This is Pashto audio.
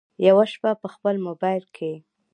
یوه شپه په خپل مبایل کې